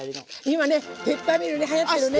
今ねペッパーミルねはやってるね。